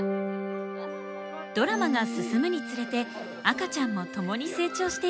ドラマが進むにつれて赤ちゃんも共に成長していきます。